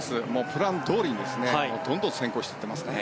プランどおりにどんどん先行してますね。